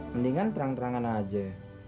mendingan terang terangan aja